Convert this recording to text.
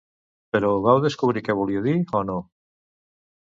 Però vau descobrir què volia dir o no?